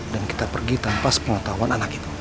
dan kita pergi tanpa pengetahuan anak itu